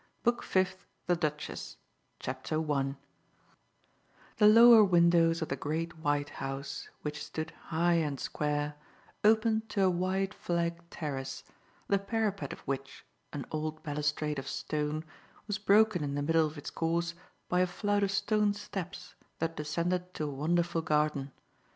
BOOK FIFTH. THE DUCHESS The lower windows of the great white house, which stood high and square, opened to a wide flagged terrace, the parapet of which, an old balustrade of stone, was broken in the middle of its course by a flight of stone steps that descended to a wonderful garden.